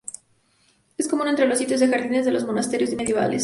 Es común entre los sitios de jardines de los monasterios medievales.